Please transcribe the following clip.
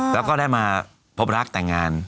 แล้วก็ได้มาพบรักแต่งงาน